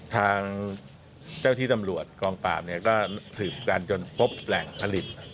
ทางเจ้าที่ตำรวจกองปราบเนี่ยก็สืบกันจนพบแหล่งผลิต